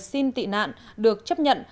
xin tị nạn được chấp nhận